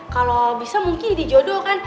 kalau bisa mungkin dijodoh kan